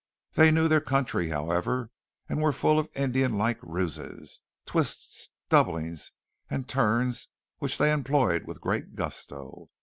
They knew their country, however, and were full of Indian like ruses, twists, doublings and turns which they employed with great gusto.